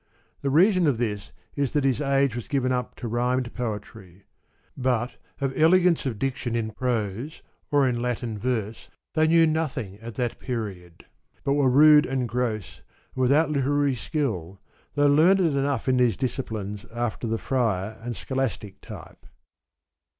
The reason of this is that his age was given up to rhymed poetry; but of elegance of diction in prose, or in Latin verse, they knew nothing at that period, but were rude and gross, and without literary skill, though learned enough in these disciplines after the friar and scholastic type.